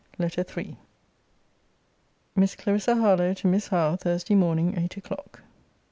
LETTER III MISS CLARISSA HARLOWE, TO MISS HOWE THURSDAY MORNING, EIGHT O'CLOCK.